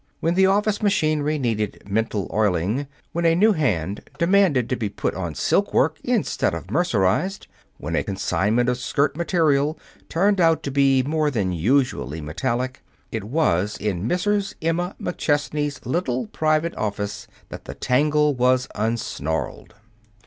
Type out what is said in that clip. When the office machinery needed mental oiling, when a new hand demanded to be put on silk work instead of mercerized, when a consignment of skirt material turned out to be more than usually metallic, it was in Mrs. Emma McChesney's little private office that the tangle was unsnarled.